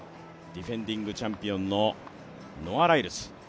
ディフェンディングチャンピオンのノア・ライルズ。